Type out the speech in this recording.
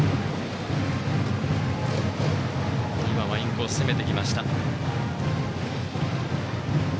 インコースを攻めてきました。